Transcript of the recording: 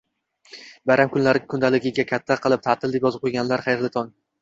Bayram kunlari kundaligiga katta qilib "Taʼtil!" deb yozib qoʻyganlar, xayrli tong!